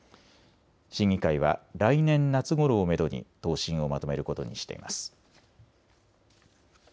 審議会は来年夏ごろをめどに答申をまとめることにしています。